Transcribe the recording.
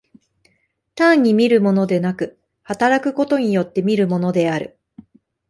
単に見るものでなく、働くことによって見るものである。